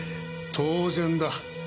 当然だ。